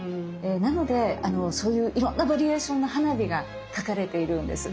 なのでそういういろんなバリエーションの花火が描かれているんです。